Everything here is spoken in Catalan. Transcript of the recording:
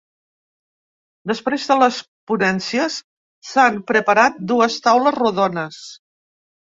Després de les ponències s’han preparat dues taules rodones.